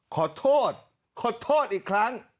ขอโทษขอโทษอีกครั้ง